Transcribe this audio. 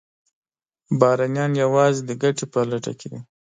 بهرنیان یوازې د ګټې په لټه وي.